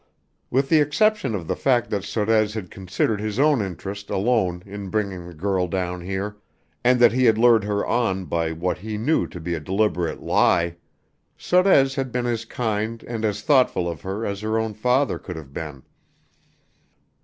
With the exception of the fact that Sorez had considered his own interest alone in bringing the girl down here, and that he had lured her on by what he knew to be a deliberate lie, Sorez had been as kind and as thoughtful of her as her own father could have been.